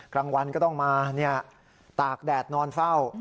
กลางวันก็ต้องมาตากแดดนอนเฝ้า